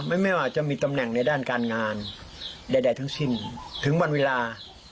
ไม่ไม่ว่าจะมีตำแหน่งในด้านการงานใดทั้งสิ้นถึงวันเวลา